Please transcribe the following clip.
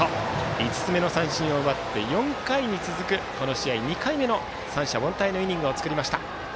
５つ目の三振を奪って４回に続く、この試合２回目の三者凡退のイニングを作りました。